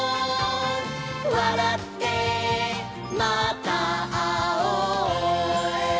「わらってまたあおう」